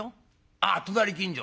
「ああ隣近所？」。